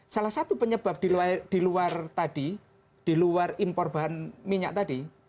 salah satu penyebab di luar impor bahan minyak tadi